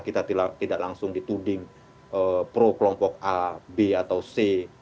kita tidak langsung dituding pro kelompok a b atau c